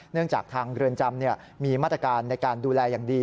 จากทางเรือนจำมีมาตรการในการดูแลอย่างดี